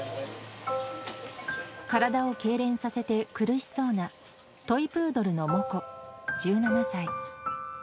体をけいれんさせて苦しそうなトイプードルのモコ１７歳。